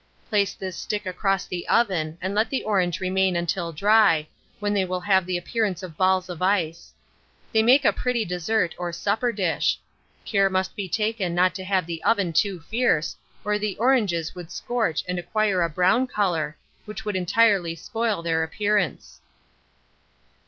Place this stick across the oven, and let the oranges remain until dry, when they will have the appearance of balls of ice. They make a pretty dessert or supper dish. Care must be taken not to have the oven too fierce, or the oranges would scorch and acquire a brown colour, which would entirely spoil their appearance.